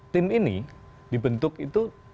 tim ini dibentuk itu